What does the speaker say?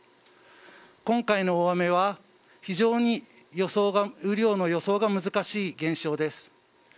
今回の大雨は、非常に雨量の予想が難しい現象です。